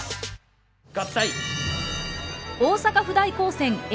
合体。